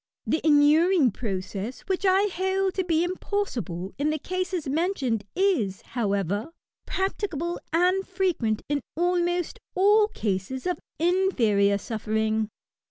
The inuring process which I hold to be BECOMING INUBED. 149 impossible in the cases mentioned is^ however^ practicable' and frequent in almost all cases of inferior suffering.